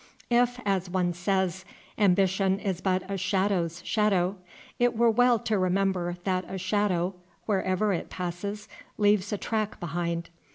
If, as one says, "ambition is but a shadow's shadow," it were well to remember that a shadow, wherever it passes, leaves a track behind.